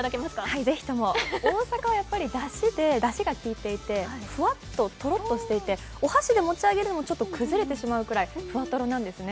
はい、ぜひとも。大阪はやっぱりだしで、だしが効いていてふわっととろっとしていてお箸で持ち上げるのも崩れてしまうぐらい、ふわとろなんですね。